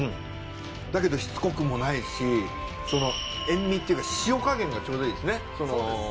だけどしつこくもないし塩味っていうか塩加減がちょうどいいですね。